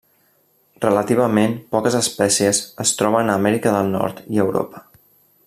Relativament poques espècies es troben a Amèrica del Nord i Europa.